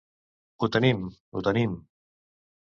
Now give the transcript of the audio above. Ho tenim, ho tenim.